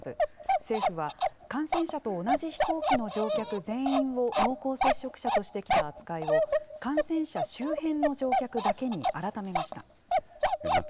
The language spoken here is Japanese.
政府は、感染者と同じ飛行機の乗客全員を濃厚接触者としてきた扱いを、感染者周辺の乗客だけに改めました。